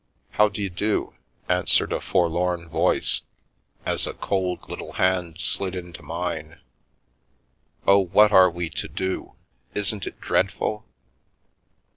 " How d'you do ?" answered a forlorn voice, as a The Milky Way cold little hand slid into mine. "Oh, what are we to do? Isn't it dreadful?"